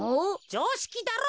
じょうしきだろ？